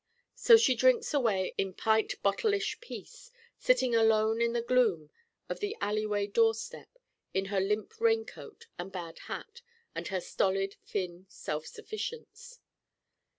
So she drinks away in pint bottle ish peace, sitting alone in the gloom of the alleyway door step, in her limp rain coat and bad hat and her stolid Finn self sufficience.